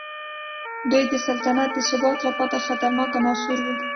دوی د سلطنت د ثبات لپاره خطرناک عناصر وو.